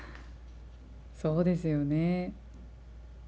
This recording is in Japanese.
そうですよね。